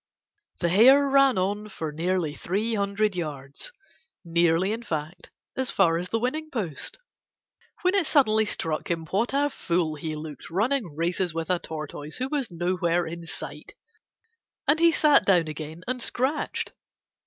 The Hare ran on for nearly three hundred yards, nearly in fact as far as the winning post, when it suddenly struck him what a fool he looked running races with a Tortoise who was nowhere in sight, and he sat down again and scratched.